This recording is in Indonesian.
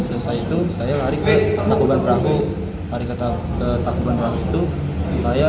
selesai itu saya lari ke takuban beraku hari ketahuan ke takuban beraku itu saya